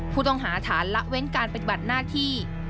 ผู้ต้องหาฐานละเว้นการปฏิบัติหน้าที่